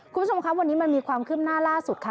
คุณผู้ชมครับวันนี้มันมีความคืบหน้าล่าสุดค่ะ